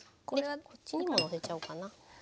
これはこっちにものせちゃおうかな。